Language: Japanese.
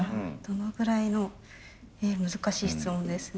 どのぐらいの難しい質問ですね。